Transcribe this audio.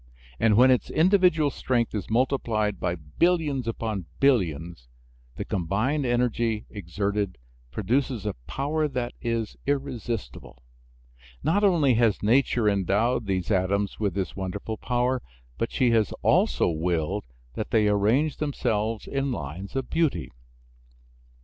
And when its individual strength is multiplied by billions upon billions the combined energy exerted produces a power that is irresistible. Not only has nature endowed these atoms with this wonderful power, but she has also willed that they arrange themselves in lines of beauty.